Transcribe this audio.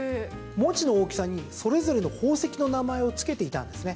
文字の大きさにそれぞれの宝石の名前をつけていたんですね。